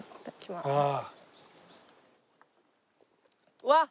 うわっ！